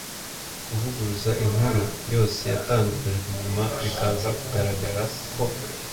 Kuvuguruza inkuru yose yatangajwe nyuma bikaza kugaragara ko